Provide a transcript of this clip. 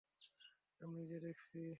আমি নিজে দেখেছি।